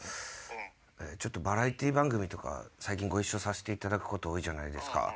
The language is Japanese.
ちょっとバラエティー番組とか最近ご一緒させていただくこと多いじゃないですか。